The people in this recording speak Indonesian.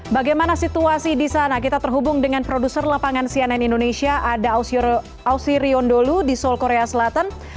bagaimana situasi di sana kita terhubung dengan produser lapangan cnn indonesia ada ausi riondolu di seoul korea selatan